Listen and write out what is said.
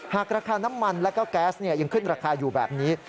หากราคาน้ำมันแล้วก็แก๊สยังขึ้นราคาอยู่แบบนี้